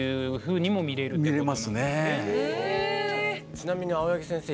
ちなみに青柳先生